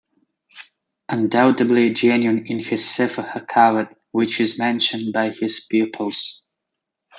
Undoubtedly genuine is his "Sefer HaKavod", which is mentioned by his pupils.